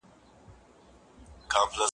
زه کولای سم د کتابتون کتابونه لوستل کړم.